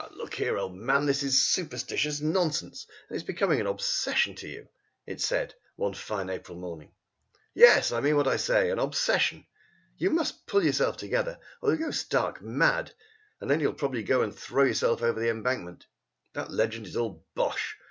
"Look here, old man, this superstitious nonsense is becoming an obsession to you," it said one fine April morning. "Yes, I mean what I say an obsession! You must pull yourself together or you'll go stark mad, and then you'll probably go and throw yourself over the Embankment. That legend is all bosh!